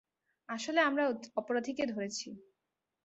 আসলে আমরা অপরাধীকে ধরেছি।